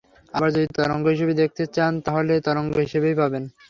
আবার যদি তরঙ্গ হিসেবে দেখতে চান, তাহলে তরঙ্গ হিসেবেই পাবেন।